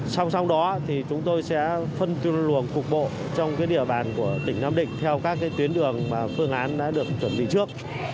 sau đó chúng tôi sẽ phân luồng cục bộ trong địa bàn của tỉnh nam định theo các tuyến đường phương án đã được chuẩn bị trước